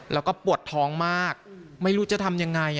แล้วก็ปวดท้องมากไม่รู้จะทำยังไง